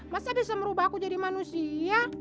masa bisa merubah aku jadi manusia